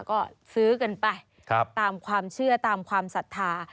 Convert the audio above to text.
ก็ซื้อกันไปตามความเชื่อตามความศรัทธา